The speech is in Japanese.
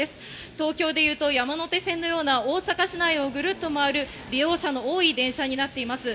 東京でいうと、山手線のような大阪市内をぐるっと回る、利用者の多い電車になっています。